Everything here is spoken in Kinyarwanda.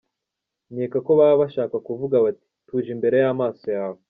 Nkeka ko baba bashaka kuvuga bati: “…tuje imbere y’amaso yawe”.